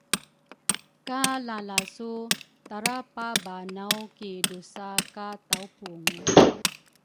ka lalasu tarapabanaw ki drusa ka tawpungu.